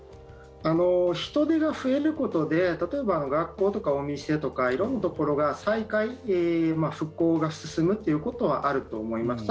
人手が増えることで例えば、学校とかお店とか色んなところが再開復興が進むということはあると思います。